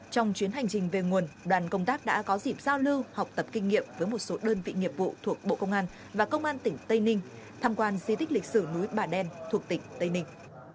trong chuyến hành trình về nguồn đoàn công tác đã có dịp giao lưu học tập kinh nghiệm với một số đơn vị nghiệp vụ thuộc bộ công an và công an tỉnh tây ninh tham quan di tích lịch sử núi bà đen thuộc tỉnh tây ninh